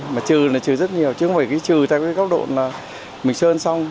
mà trừ là trừ rất nhiều chứ không phải trừ theo cái góc độ là mình sơn xong